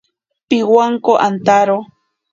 Pibwanko antaro.